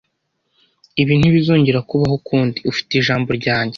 Ibi ntibizongera kubaho ukundi. Ufite ijambo ryanjye.